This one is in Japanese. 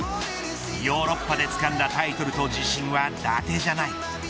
ヨーロッパでつかんだタイトルと自信は伊達じゃない。